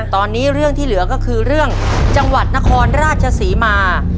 ตอนนี้เรื่องที่เหลือก็คือเรื่องจังหวัดนครราชศรีมา